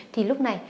thì lúc này